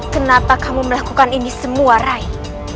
kenapa kamu melakukan ini semua rai